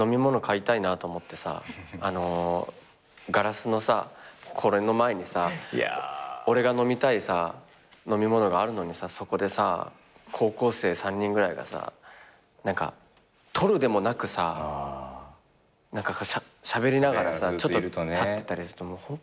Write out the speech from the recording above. あのガラスのこれの前にさ俺が飲みたい飲み物があるのにそこでさ高校生３人くらいがさ取るでもなく何かしゃべりながらちょっと立ってたりするとホントに怖いもんね。